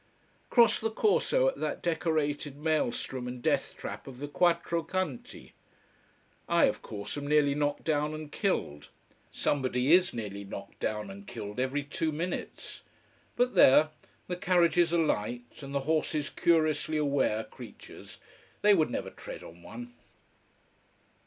Cross the Corso at that decorated maelstrom and death trap of the Quattro Canti. I, of course, am nearly knocked down and killed. Somebody is nearly knocked down and killed every two minutes. But there the carriages are light, and the horses curiously aware creatures. They would never tread on one.